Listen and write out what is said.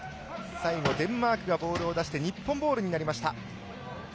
最後デンマークがボールを出して日本ボールになりました。